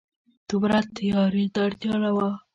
دومره تياري ته اړتيا نه وه